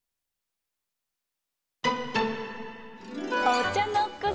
お茶の子